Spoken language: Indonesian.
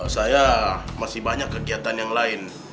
saya masih banyak kegiatan yang lain